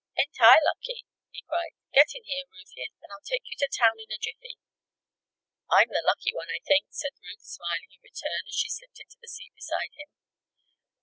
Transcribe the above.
"Ain't I lucky?" he cried. "Get in here, Ruthie, and I'll take you to town in a jiffy." "I'm the lucky one, I think," said Ruth, smiling in return as she slipped into the seat beside him.